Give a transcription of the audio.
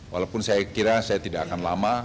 walaupun saya kira saya tidak akan lama